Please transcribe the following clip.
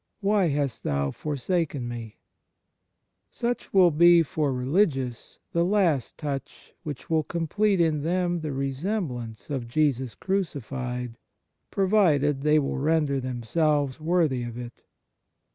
why hast Thou forsaken Me ?" Such will be for religious the last touch which will complete Second Means to bear with Others in them the resemblance of Jesus crucified, provided they will render themselves worthy of it.